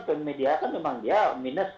ke media kan memang dia minus